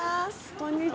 こんにちは。